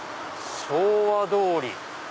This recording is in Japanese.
昭和通り。